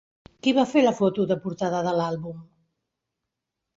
Qui va fer la foto de portada de l'àlbum?